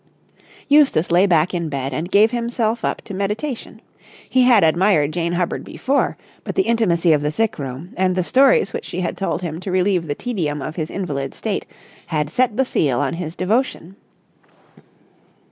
Eustace lay back in bed and gave himself up to meditation. He had admired Jane Hubbard before, but the intimacy of the sick room and the stories which she had told him to relieve the tedium of his invalid state had set the seal on his devotion.